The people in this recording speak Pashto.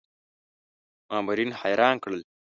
مامورین حیران کړل.